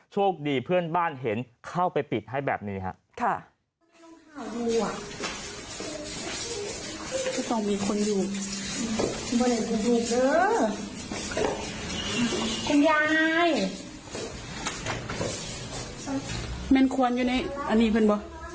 โชคดีเพื่อนบ้านเห็นเข้าไปปิดให้แบบนี้ครับ